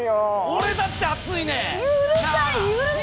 俺だって暑いねん！